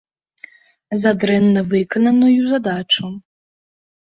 За дрэнна выкананую задачу.